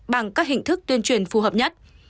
bằng các hình thức tuyên truyền phù hợp nhất